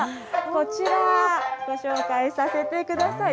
こちら、ご紹介させてください。